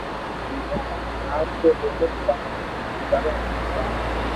آپ تو ٻولو ڪاو ھون ڪرو ڪاوُ ھين